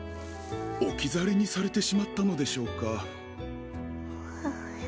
置き去りにされてしまったのでしょうか